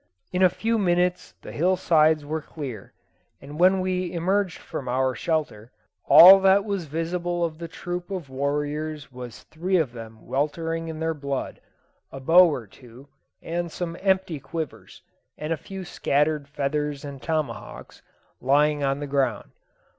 In a few minutes the hill sides were clear, and when we emerged from our shelter, all that was visible of the troop of warriors was three of them weltering in their blood, a bow or two, and some empty quivers, and a few scattered feathers and tomahawks, lying on the ground.